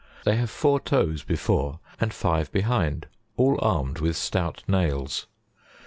They have four toes before and five be hind, all armed with stout nails.